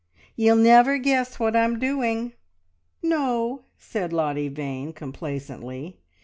"Ye'll never guess what I'm doing!" "No," said Lottie Vane complacently.